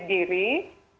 dengan banyaknya pelajaran